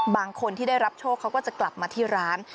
บางคนที่ได้รับโชคเขาก็จะกลับมาที่ร้าน